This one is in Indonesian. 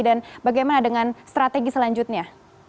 dan bagaimana dengan strategi selanjutnya